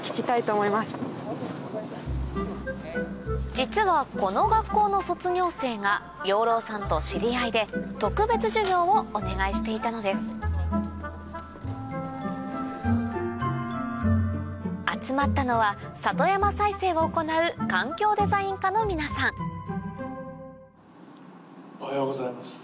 実はこの学校の卒業生が養老さんと知り合いで特別授業をお願いしていたのです集まったのは里山再生を行うおはようございます。